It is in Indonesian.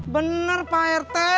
bener pak rt